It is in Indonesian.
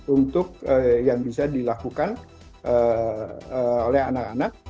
untuk yang bisa dilakukan oleh anak anak